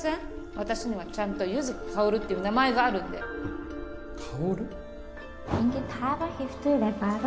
私にはちゃんと柚木薫っていう名前があるんで薫？